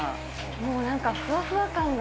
もうなんか、ふわふわ感が。